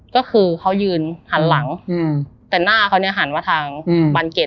ก็คือเขายืนหันหลังแต่หน้าเขาเนี่ยหันมาทางบานเกร็